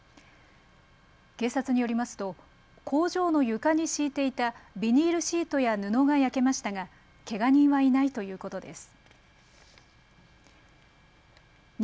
警察によりますと工場の床に敷いていたビニールシートや布が焼けましたがけが人はいないということです。